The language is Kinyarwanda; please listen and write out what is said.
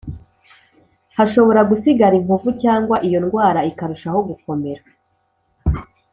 Hashobora gusigara inkovu cyangwa iyo ndwara ikarushaho gukomera